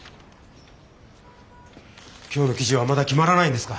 今日の記事はまだ決まらないんですか？